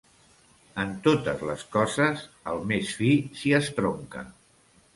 En totes les coses el més fi s'hi estronca.